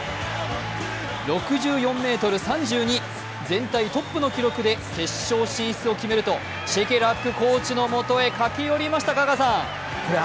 全体トップの記録で決勝進出を決めるとシェケラックコーチの元へ駆け寄りましたが。